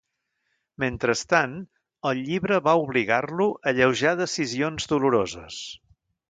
Mentrestant, el llibre va obligar-lo a alleujar decisions doloroses.